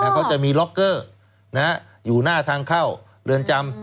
เขาจะมีล็อกเกอร์อยู่หน้าทางเข้าเรือนจำ